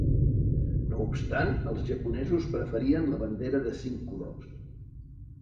No obstant, els japonesos preferien la bandera de cinc colors.